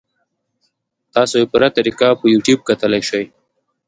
تاسو ئې پوره طريقه پۀ يو ټيوب کتے شئ -